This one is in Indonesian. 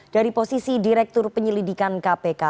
dari posisi direktur penyelidikan kpk